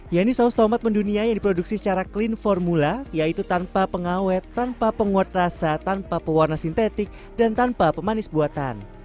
yaitu saus tomat mendunia yang diproduksi secara clean formula yaitu tanpa pengawet tanpa penguat rasa tanpa pewarna sintetik dan tanpa pemanis buatan